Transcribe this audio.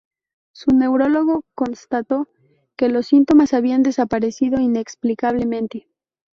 Su neurólogo constató que los síntomas habían desaparecido inexplicablemente.